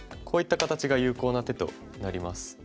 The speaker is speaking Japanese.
こういった形が有効な手となります。